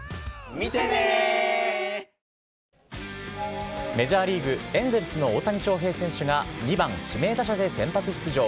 さらに、メジャーリーグ・エンゼルスの大谷翔平選手が２番指名打者で先発出場。